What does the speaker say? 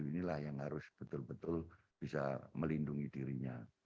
inilah yang harus betul betul bisa melindungi dirinya